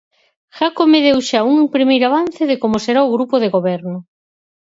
Jácome deu xa un primeiro avance de como será o grupo de goberno.